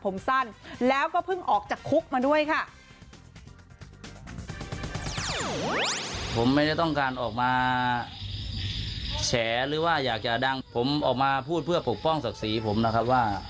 ไม่ได้ต้องการออกมาแฉหรือว่าอยากจะดังผมออกมาพูดเพื่อปกป้องศักดิ์ศรีผมนะครับว่า